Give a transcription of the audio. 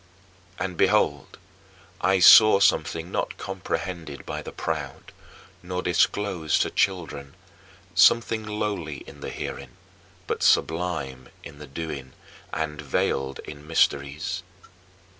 And behold, I saw something not comprehended by the proud, not disclosed to children, something lowly in the hearing, but sublime in the doing, and veiled in mysteries.